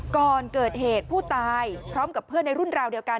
ก่อนเกิดเหตุผู้ตายพร้อมกับเพื่อนในรุ่นราวเดียวกัน